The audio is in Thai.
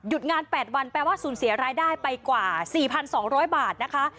งาน๘วันแปลว่าสูญเสียรายได้ไปกว่า๔๒๐๐บาทนะคะ